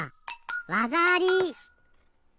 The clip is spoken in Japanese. わざあり！